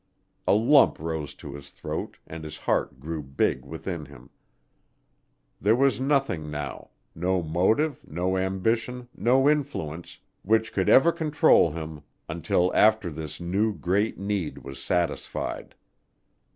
A lump rose to his throat and his heart grew big within him. There was nothing now no motive, no ambition, no influence which could ever control him until after this new great need was satisfied.